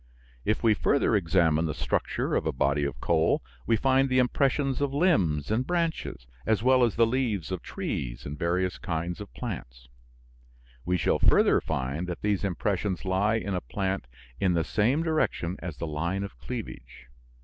If we further examine the structure of a body of coal we find the impressions of limbs and branches as well as the leaves of trees and various kinds of plants. We shall further find that these impressions lie in a plant in the same direction as the line of cleavage.